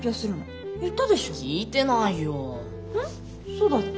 そうだっけ？